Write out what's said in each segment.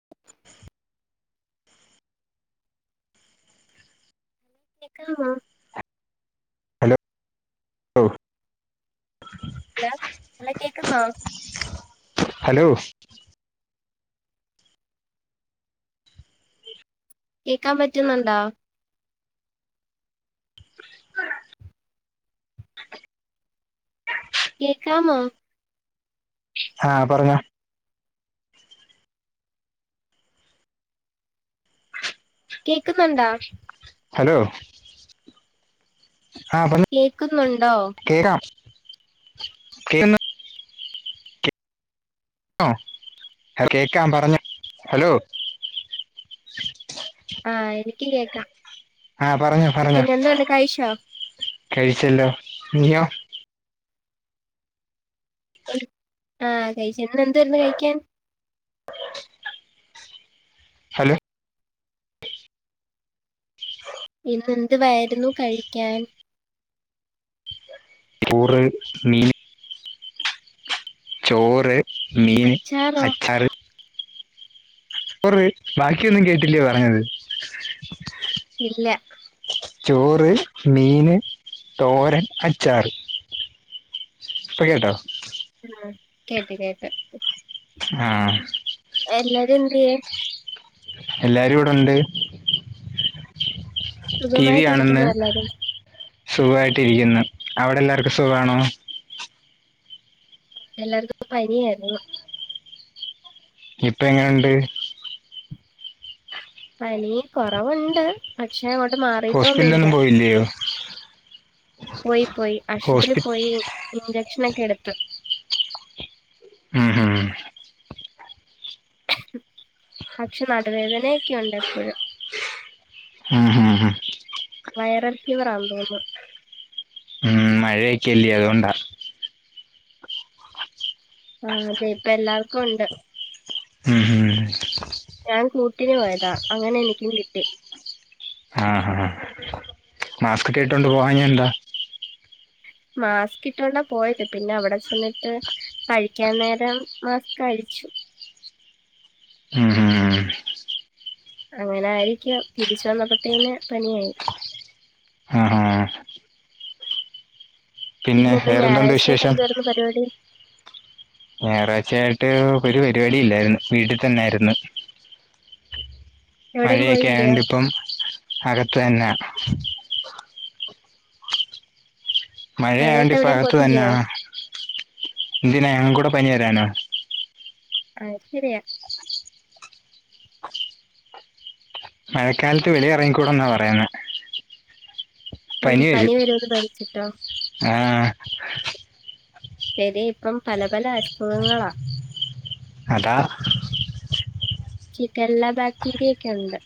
[inaudible] കേക്കാമോ ഓ [unintelligible] കേക്കുന്നോ ഹലോ. കേക്കാൻ പറ്റുന്നുണ്ടോ. കേക്കാമോ. ആഹ പറഞ്ഞോ. കേക്കുന്നുണ്ടാ? ഹലോ. ആ പറഞ്ഞോ കേക്കുന്നുണ്ടോ. [unintelligible] കേക്കും [inaudible] കേൾക്കാം പറഞ്ഞോ ഹലോ ആഹ എനിക്ക് കേക്കാം. ആ പറഞ്ഞോ പറഞ്ഞോ പിന്നെ എന്തുണ്ട് കഴിച്ചോ കഴിച്ചല്ലോ നീയോ. ആ കഴിച്ചു ഇന്ന് എന്ത് വരുന്നു കഴിക്കാൻ. ഹലോ. ഇന്ന് എന്തുവരു കഴിക്കാൻ. [inaudible] മീൻ ചോറ് മീന് അച്ചാറോ അച്ചാറ്. ബാക്കി ഒന്നും കേട്ടില്യയോ പറഞ്ഞത്. ഇല്ല ചോറ് മീന് തോരൻ അച്ചാറ് ഇപ്പൊ കേട്ടോ? ആഹ കേട്ട് കേട്ട് ആഹ. എല്ലാരും എന്ത്യ? എല്ലാരും ഇവിടെണ്ട്. ടി. വി സുഖമായിട്ടിരിക്കുന്നു ആണെന്ന് എല്ലാരും സുഖമായിട്ടിരിക്കുന്നു. അവിടെ എല്ലാവർക്കും സുഖമാണോ? എല്ലാർക്കും ഇപ്പോ പനി ആയിരുന്നു. ഇപ്പ എങ്ങനെണ്ട്? പനി കൊറവുണ്ട് പക്ഷെ അങ്ങോട്ട് മാറിട്ടോ ഒന്നുംല്ല. ഹോസ്പിറ്റലിലൊന്നും പോയില്ലയോ പോയി പോയി ആശുപത്രിയി ഹോസ്പി പോയി ഇ ഭക്ഷനൊക്കെ എടുത്ത്. മ് മ്. പക്ഷെ നടുവേദനയൊക്കെുണ്ട് എപ്പോഴും. മ് മ്. വൈറൽ ഫീവറാന്ന് തോന്നുന്ന്. മ് മഴയൊക്കെല്ലേ അത് കൊണ്ടാ. ആഹ അതെ ഇപ്പ എല്ലർക്കും ഉണ്ട്. ഉം ഹും. ഞാൻ കൂട്ടിന് പോയതാ അങ്ങനെ എനിക്കും കിട്ടി. മ് മ് മാസ്ക് കേ ഇട്ടോണ്ട് പോവാ ഞ്ഞെ എന്താ. [unintelligible] മാസ്ക് ഇട്ടോണ്ടാ പോയത് പിന്നെ അവിടെ ചെന്നിട്ട് കഴിക്കാൻ നേരം മാസ്ക് കഴിച്ചു. മ് മ് മ്. അങ്ങനെ ആയിരിക്കാം തിരിച്ചു വന്നപ്പോത്തേന് പനിയായി. ആഹാ പിന്നെ ഇന്ന് ഞായറാഴ്ച ആയിട്ട് എന്തരുന്ന് പരിപാടി. ഞായറാഴ്ച്ച ആയിട്ട് ഒരു പരിപാടി ഇല്ലായിരുന്നു വീട്ടിൽ തന്നെയിരുന്നു. എവിടെയും മഴയൊക്കെ പോയില്ലയോ ആയോണ്ട് ഇപ്പം അകത്തു തന്ന. മഴയേണ്ടി മഴയത്ത് ഇപ്പ എവിടെയും അകത്ത് തന്നെ പോത്തില്ലയോ എന്തിന കൂടെ പനി വരാനോ. ആഹ ശരിയാ. മഴക്കാലത്തുവെളി യിലിറങ്ങിക്കൂടെന്നാ പറയുന്നേ ഉം.. പനി വരുമെന്നുപേടിച്ചിട്ടോ ആഹ് ശരി, യിപ്പംപല പല അസുഖങ്ങളാ അതാ ശിഖല്ലാ ബാക്ടീരിയയൊക്കെയുണ്ട്.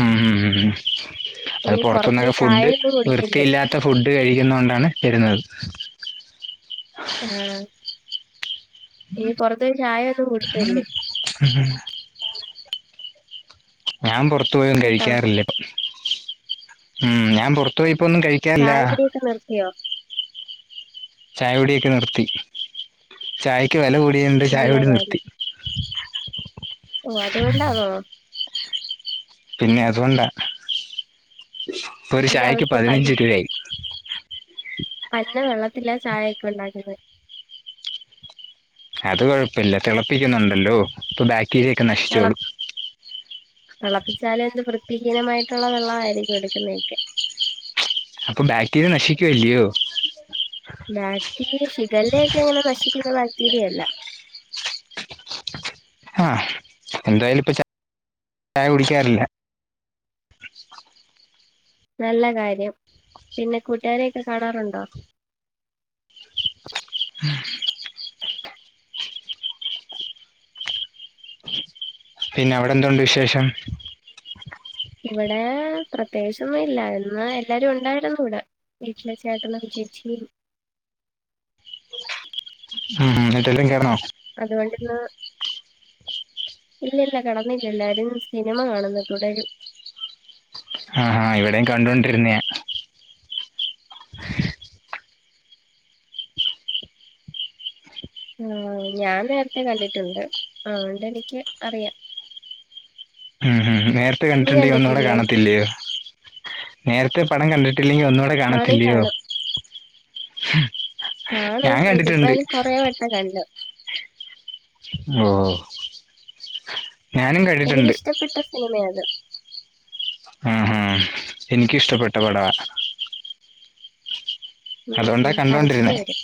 ഉം.. ഉം.. ഹു.. അത് ഇനി പുറത്ത് പോയി പുറത്തുനിന്നൊക്കെ ചായ ഫുഡ്, ഒന്നും കുടിക്കല്ലേ വൃത്തിയില്ലാത്ത ഫുഡുകഴിക്കുന്ന കൊണ്ടാണു വരുന്നത്. ആ.. ഇനി പുറത്തുപോയിചായയൊന്നും കുടിക്കരുത്. ഞാൻ പുറത്തുപോയൊന്നും കേട്ടോ കഴിക്കാറില്ലപ്പ ഉം.. ഞാൻ പുറത്തു പോയി ഇപ്പൊന്നും കഴിക്കറില്ല. ചായ കുടിയൊക്കെ നിർത്തിയോ ചായകുടിയൊക്കെ നിർത്തി. ചായക്ക് വില കൂടി.. നല്ല കൂടിയകൊണ്ടുചായകുടി, കാര്യം നിർത്തി. ഓ അതുകൊണ്ടാണോ പിന്നെയതുകൊണ്ടാ ഇപ്പൊ ഒരു അല്ലെങ്കിൽ ചായക്ക് അവര് പന്ന പതിനഞ്ച് രൂപയായി പന്നവെള്ളത്തിലാ ചായയൊക്കെയു ണ്ടാക്കുന്നത്. അതുകൊഴപ്പമില്ല. തിളപ്പിക്കുന്നുണ്ടല്ലോ, ഇപ്പൊ ബാക്ടീരിയയൊക്കെ നശിച്ചോളും തിളപ്പിച്ചാലെന്ത്, വൃത്തിഹീനമായിട്ടുള്ള വെള്ളയിരിക്കുമെടുക്കുന്നേ അപ്പൊബാക്ടീരിയ നശിക്കുവല്ലയോ ബാക്കി ഷിഖലയൊക്കെ യെങ്ങനെ നശി.. നശിക്കുന്നബാക്ടീരിയയല്ല ആ, എന്തായാലുമിപ്പം ചാ.. ചായ, കുടിക്കാറില്ല. [unintelligible] നല്ലകാര്യം, പിന്നെ കൂട്ടുകാരെയൊക്കെ കാണാറുണ്ടോ? പിന്നെയവിടെന്തുണ്ട് വിശേഷം, ഇവിടെപ്രത്യേകിച്ചൊന്നു മില്ല, എന്നാ, എല്ലാവരു മുണ്ടായിരുന്നിവിടെ വീട്ടിലെ ചേട്ടനും ചേച്ചിയും ഉം.. ഉ.. ഇതല്ലേ, കേറണോ അതുകൊണ്ടിന്ന് ഇല്ലില്ല, കിടന്നില്ല. എല്ലാരും. സിനിമ കാണുന്നു 'തുടരും ' ആഹ്... ഹ.. ഇവിടെയും കണ്ടോണ്ടിരുന്നിയ ആ, ഞാൻനേരത്തെ കണ്ടിട്ടുണ്ട്. അതുകൊണ്ടെനിക്കറിയാം. ഉം ഉം. നേരത്തെ നീ കണ്ടിട്ടുണ്ടെങ്കിൽ ഒന്നൂടെ കണ്ടിട്ടില്ലേ കാണത്തില്ലയോ, നേരത്തെപടം കണ്ടിട്ട് കണ്ടിട്ടില്ലെങ്കിൽ ഒന്നൂടെ കാണും കാണത്തില്ലയോ കാണും കാണും, ഞാൻ കണ്ടിട്ടുണ്ട് ഇതിപ്പമത് കൊറേ വട്ടംകണ്ടു. ഓ ഞാനും കണ്ടിട്ടുണ്ട് എനിക്കിഷ്ടപ്പെട്ട സിനിമയായത് ആഹ്.. ഹു എനിക്കു മിഷ്ടപ്പെട്ട പടമാ അതുകൊണ്ടാ ഉം... കണ്ടോണ്ടിരുന്നെ കരച്ചിലുവരും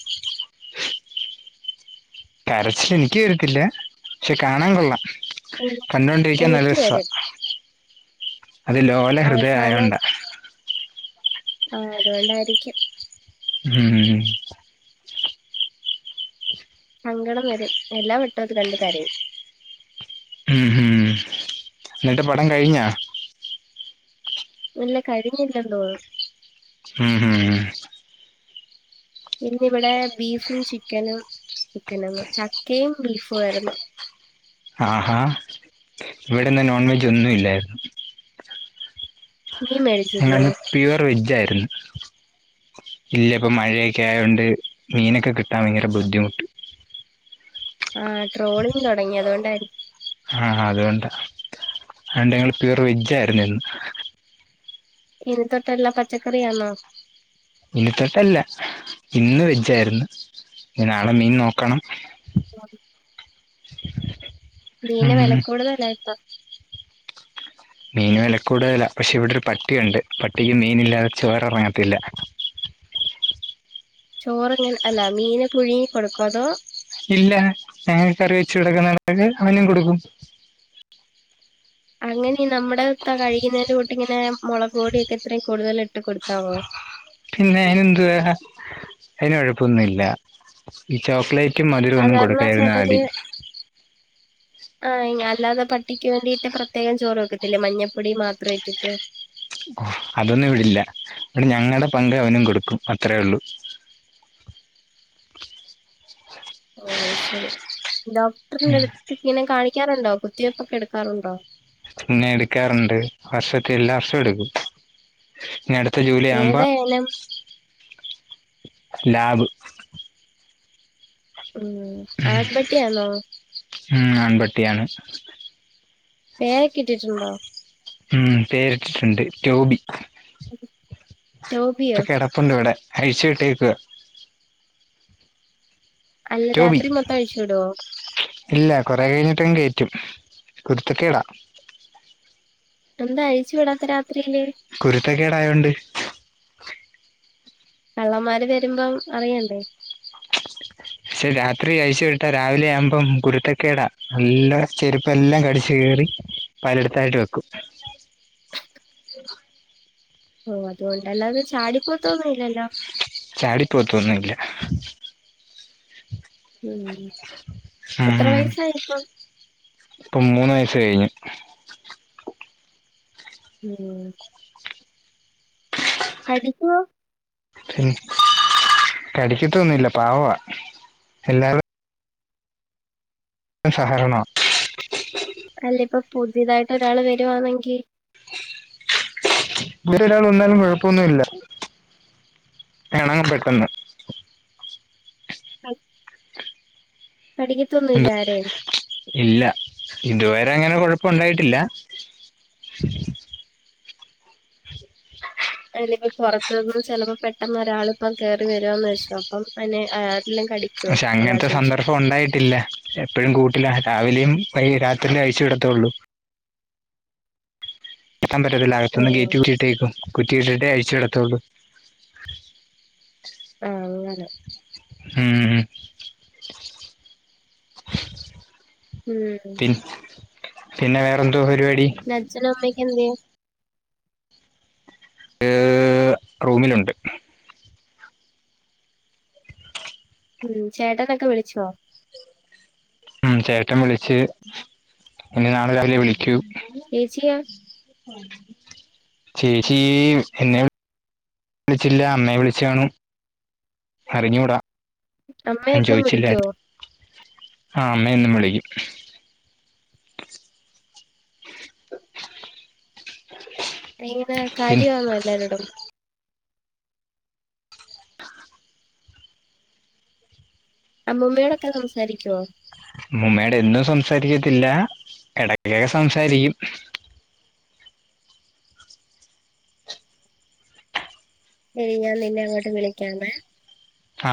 കരച്ചിലെനിക്കു വരത്തില്ല. പക്ഷേ കാണാൻ കൊള്ളാം. എനിക്ക് കണ്ടോണ്ടിരിക്കാൻ നല്ല എനിക്ക് രസാ വരും അതുലോലഹൃദയമായ അവസാനം കൊണ്ടാ ആ.. അതുകൊണ്ടായിരിക്കും. ഹും സങ്കടംവരും. എല്ലാ വട്ടവുമതുകണ്ട് കരയും. ഉം.. ഹും.. എന്നിട്ടുപടം കഴിഞ്ഞോ? ഇല്ല കഴിഞ്ഞില്ലെന്ന് തോന്നുന്ന് ഉം ഉം ഇന്ന് ഇവിടെ ബീഫും ചിക്കനും ചിക്കനെന്ന് ചക്കയും ബീഫുംവായിരുന്നു ആഹാ ഇവിടിന്ന് നോൺ വെജ് ഒന്നും ഇല്ലായിരുന്നു മീൻ നൻ മേടിച്ചില്ലയോ പ്യുവർ വെജ്ജായ്ര്ന്ന് ഇല്ലിപ്പം മഴയൊക്കെ ആയോണ്ട് മീനൊക്കെ കിട്ടാൻ ഭയങ്കര ബുദ്ധിമുട്ട് ആ ട്രോളിങ് തുടങ്ങി അതുകൊണ്ടായിരിക്കും ആ അതുകൊണ്ട അണ്ട് ഞങ്ങള് പ്യുവർ വെജ്ജായിരുന്നു ഇന്ന് ഇനി തൊട്ട് എല്ലാം പച്ചക്കറിയാന്നോ ഇനി തൊട്ടല്ല ഇന്ന് വെജായിര്ന്ന് ഇനി നാളെ മീൻ നോക്കണം ആ മീന് ഉം വെല കൂടുതല ഇപ്പം മീന് വെല കൂടുതല പക്ഷേ ഇവിടെ ഒരു പട്ടിയുണ്ട് പട്ടിക്ക് മീനില്ലാതെ ചേറി എറങ്ങത്തില്ല ചോറെങ്ങനെ അല്ല മീന് പുഴുങ്ങി കൊടുക്കും അതോ ഇല്ല ഞങ്ങൾ കറി വെച്ചു കൊടുക്കുന്ന കണക്ക് അവനും കൊടുക്കും അങ്ങനെ നമ്മുടെ ത്ത കഴിക്കുന്നേൻ്റെ കൂട്ടിങ്ങനെ മുളക് പൊടിയൊക്കെ ഇത്രയും കൂടുതൽ ഇട് പിന്നെ അയിന് എന്തുവ അയിന് കൊഴപ്പൊന്നു ഇല്ല ഈ ചോക്ലേറ്റും മധുരം ഒന്നും സാധാരണ കൊടുക്കായിരുന്ന ചെലര് മതി ആഹ് ഇങ് അല്ലാതെ പട്ടിക്ക് വേണ്ടിയിട്ട് പ്രത്യേകം ചോറ് വെക്കത്തില്ലേ മഞ്ഞപ്പൊടി മാത്രം ഇട്ടിട്ട് ഓ, അതൊന്നും ഇവിടില്ല ഇവിടെ ഞങ്ങൾടെ പങ്ക് അവനും കൊടുക്കും അത്രേ ഉള്ളൂ ഓ അയ്ശെരി ഡോക്ടറിന്റെ അടുത്ത് ഇങ്ങനെ കാണിക്കാറുണ്ടോ കുത്തിവയ്പൊക്കെ എടുക്കാറുണ്ടോ പിന്നെ എടുക്കാറുണ്ട് വർഷത്തി എല്ലാ വർഷം എടുക്കും ഇനി അടുത്ത ജൂലൈ ആവുമ്പൊ ഏതാ ഇനം ലാബ് ഉം ആൺപട്ടിയാന്നോ ഉം ആൺപട്ടിയാണ് പേയെക്കിട്ടിട്ടുണ്ടോ? ഉം പേരിട്ടിട്ടുണ്ട് റ്റോബി ഇപ്പൊ ടോബിയോ കെടപ്പുണ്ടിവിടെ അഴിച്ചു വിട്ടേക്കുവ അല്ല ടോബി രാത്രി മൊത്തം അഴിച്ചു വിടോ ഇല്ല കൊറെ കഴിഞ്ഞിട്ടിങ്ങ് കേറ്റും കുരുത്തക്കേടാ എന്താ അയച്ചു വിടാത്ത രാത് കുരുത്തക്കേടായോണ്ട് കള്ളന്മാര് വരുമ്പം അറിയണ്ടേ പക്ഷേ രാത്രി അഴിച്ചു വിട്ടാ രാവിലെ ആവുമ്പം കുരുത്തക്കേടാ എല്ലാ ചെരുപ്പെല്ലാം കടിച്ചു കീറി പലടത്തായിട്ട് വെക്കും ഓ അത്കൊ ചാടി പോത്തൊന്നു ഇല്ല ഉം എത്ര ഉം വയസ്സായി ഇപ്പം ഇപ്പം മൂന്ന് വയസ്സ് കഴിഞ്ഞ് ഉം കടിക്കോ പിൻ കടിക്കത്തൊന്നുല്ല പാവാ എല്ലാവാരു രും സഹകരണവാ അല്ല ഇപ്പൊ പുതിയതായിട്ട് ഒരാള് വരുവാണെങ്കിൽ ഇവിടൊരാള് വന്നാലും കൊഴപ്പൊന്നു ഇല്ല എണങ്ങും പെട്ടെന്ന് അത്‌ എന്ത് ഇല്ല ഇതുവരെ അങ്ങനെ കുഴപ്പം ഉണ്ടായിട്ടില്ല അല്ലയിപ്പോ പുറത്തുന്ന് ചെലപ്പോ പെട്ടെന്ന് ഒരാള് ഇപ്പോ കേറി ട്ട് വരാന്ന് വെച്ചോ അപ്പം അതിനെ ആരെല്ലാം കടിക്കുവോ പക്ഷെ അതാ അങ്ങനത്തെ ചോദിച്ചേ കൂട്ടിലാ രാവിലെയും വൈ രാത്രില് അഴിച്ചുവിടത്തേഒള്ളൂ എത്താൻ പറ്റത്തില്ല ഓ അകത്ത്ന്ന് ഗേറ്റ് കുറ്റിയിടും കുറ്റിയിട്ടിട്ടേ അഴിച്ചു വിടത്തൊള്ളൂ ആഹ് അങ്ങനെ ഉം. ഉം ഉം പിന്നെ വേറെന്താ നിൻ്റെ അച്ഛനും അമ്മയൊക്കെ എന്തിയെ ഏഹ് റൂമിലുണ്ട് ഉം ചേട്ടനൊക്കെ വിളിച്ചോ ഉം ചേട്ടൻ വിളിച്ച് ഇനി നാളെ രാവിലയേ വിളിക്കൂ ചേച്ചിയോ ചേച്ചി എന്നെ വി [inaudible] വിളിച്ചില്ല അമ്മയെ വിളിച്ചുകാനും അറിഞ്ഞൂടാ അമ്മയൊന്നും ആരുംചോയിച്ചില്ല വിളിക്കുവോ ആ അമ്മേ എന്നും വിളിക്കും എങ്ങനെ പിന്നെ കാര്യവാന്നോ എല്ലാരോടും അമ്മൂമ്മയോടൊക്കെ സംസാരിക്കുവോ അമ്മൂമ്മയോട് എന്നും സംസാരിക്കത്തില്ല എടക്കൊക്കെ സംസാരിക്കും ശരി ഞാൻ നിന്നെ അങ്ങോട്ട് വിളിക്കാമേ ആ..